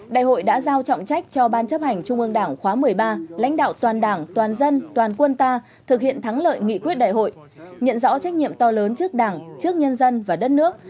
đại hội đã giao trọng trách cho ban chấp hành trung ương đảng khóa một mươi ba lãnh đạo toàn đảng toàn dân toàn quân ta thực hiện thắng lợi nghị quyết đại hội nhận rõ trách nhiệm to lớn trước đảng trước nhân dân và đất nước